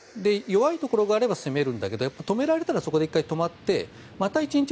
弱いところがあれば攻めるんだけど止められたらそこで１回止まってまた１日、２日